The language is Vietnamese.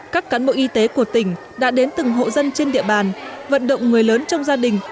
các cán bộ y tế của tỉnh đã đến từng hộ dân trên địa bàn vận động người lớn trong gia đình